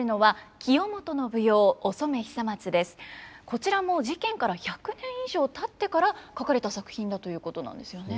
こちらも事件から１００年以上たってから書かれた作品だということなんですよね。